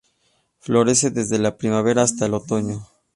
Florece desde la primavera hasta el otoño.